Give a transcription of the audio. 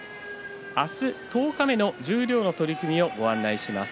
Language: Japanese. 明日、十日目の十両の取組をご紹介します。